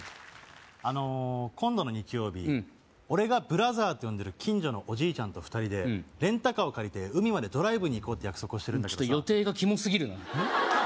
あの今度の日曜日俺がブラザーって呼んでる近所のおじいちゃんと２人でレンタカーを借りて海までドライブに行こうって約束をしてるんだけどちょっと予定がキモすぎるなえっ？